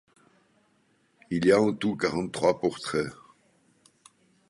Il y a en tout quarante-trois portraits.